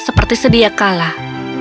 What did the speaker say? seperti sedia kalah